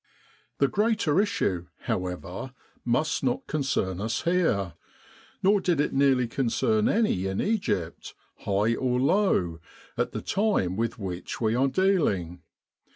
The greater issue, however, must not concern us here ; nor did it nearly concern any in Egypt, high or low, at the time with which we are dealing.